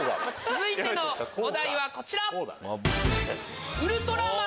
続いてのお題はこちら。